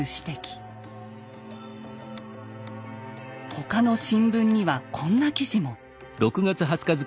他の新聞にはこんな記事も。